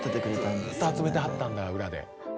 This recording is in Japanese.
ずっと集めてはったんだ裏で。